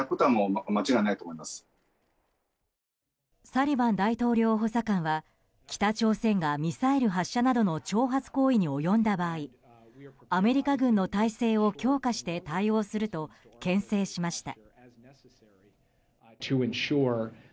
サリバン大統領補佐官は北朝鮮がミサイル発射などの挑発行為に及んだ場合アメリカ軍の態勢を強化して対応すると牽制しました。